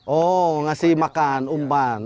oh ngasih makan umpan